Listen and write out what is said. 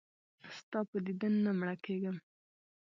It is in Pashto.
ستا په دیدن نه مړه کېږم.